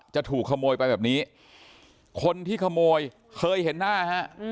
จะถูกขโมยไปแบบนี้คนที่ขโมยเคยเห็นหน้าฮะ